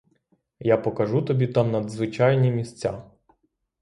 Я покажу тобі там надзвичайні місця.